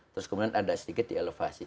terus kemudian ada sedikit di elevasi